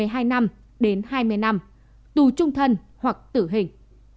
đối tượng có thể được giết với hai năm đến hai mươi năm tù trung thân hoặc tử hình